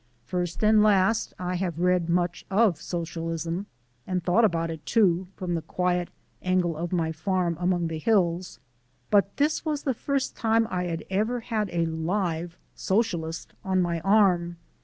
First and last I have read much of Socialism, and thought about it, too, from the quiet angle of my farm among the hills, but this was the first time I had ever had a live Socialist on my arm.